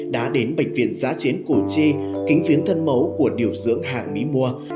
đã đến bệnh viện giá chiến củ chi kính phiến thân mấu của điều dưỡng hạng mỹ mùa